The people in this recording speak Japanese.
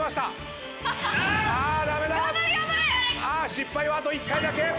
失敗はあと１回だけ！